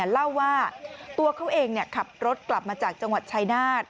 เล่าว่าตัวเขาเองขับรถกลับมาจากจังหวัดชายนาฏ